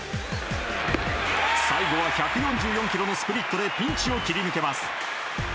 最後は１４４キロのスプリットでピンチを切り抜けます。